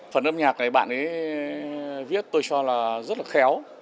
phần âm nhạc này bạn ấy viết tôi cho là rất là khéo